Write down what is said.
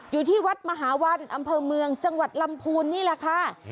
อยู่ที่วัดมหาวันอำเภอเมืองจังหวัดลำพูนนี่แหละค่ะ